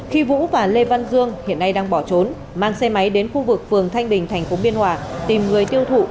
khi vũ và lê văn dương hiện nay đang bỏ trốn mang xe máy đến khu vực phường thanh bình tp biên hòa tìm người tiêu thụ